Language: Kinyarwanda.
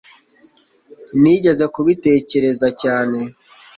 nigeze kubitekereza cyane